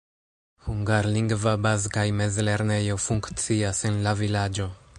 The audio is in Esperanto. Hungarlingva baz- kaj mezlernejo funkcias en la vilaĝo.